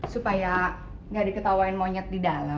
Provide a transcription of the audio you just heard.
supaya nggak diketawain monyet di dalam